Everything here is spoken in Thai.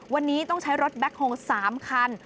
วันนี้ต้องใช้รถแบ็คโฮล๓คัน